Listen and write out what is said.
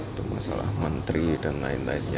untuk masalah menteri dan lain lainnya